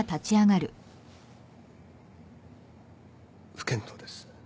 不見当です。